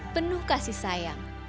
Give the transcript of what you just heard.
penuh kasih sayang